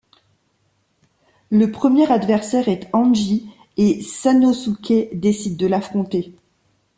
Le premier adversaire est Anji, et Sanosuké décide de l'affronter.